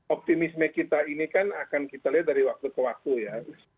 optimisme kita ini kan akan kita lihat dari waktu ke waktu ya